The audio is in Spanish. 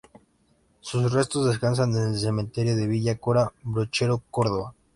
Sus restos descansan en el cementerio de Villa Cura Brochero, Córdoba.